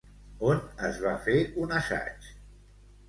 On es va fer un assaig?